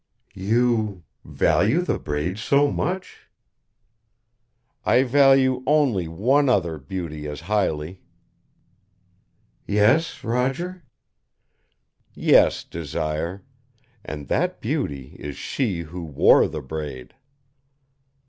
"You value the braid so much?" "I value only one other beauty as highly." "Yes, Roger?" "Yes, Desire. And that beauty is she who wore the braid."